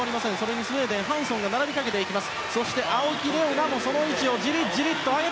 スウェーデン、ハンソンが並びかけていきます。